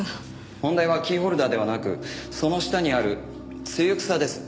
問題はキーホルダーではなくその下にあるツユクサです。